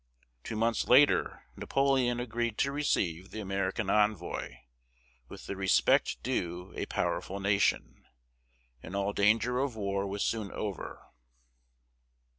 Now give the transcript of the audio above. Two months later, Napoleon agreed to receive the American envoy "with the respect due a powerful nation," and all danger of war was soon over.